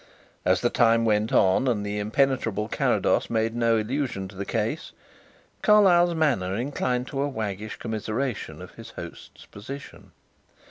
As the time went on and the impenetrable Carrados made no allusion to the case, Carlyle's manner inclined to a waggish commiseration of his host's position.